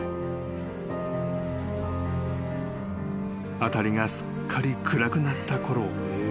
［辺りがすっかり暗くなったころ